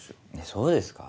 そうですか？